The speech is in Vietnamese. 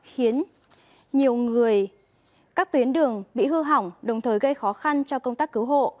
khiến nhiều người các tuyến đường bị hư hỏng đồng thời gây khó khăn cho công tác cứu hộ